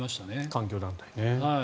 環境団体ね。